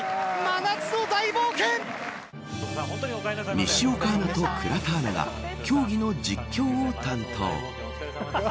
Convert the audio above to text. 西岡アナと倉田アナが競技の実況を担当。